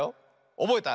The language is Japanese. おぼえた？